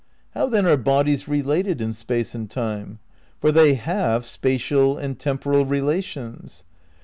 How then are bodies related in space and time? For they have spatial and temporal relations.